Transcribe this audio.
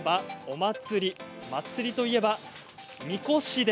祭りといえば、みこし。